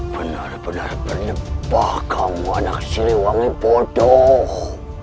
benar benar penipah kamu anak siri wangi bodoh